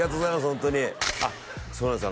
ホントにあっそうなんです